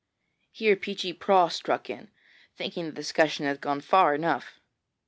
Here Peechy Prauw struck in, thinking the discussion had gone far enough.